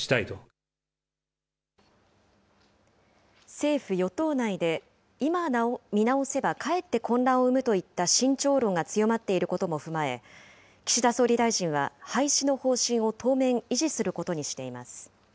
政府・与党内で、今、見直せばかえって混乱を生むといった慎重論が強まっていることも踏まえ、岸田総理大臣は廃止の方針を当面維持することにしています。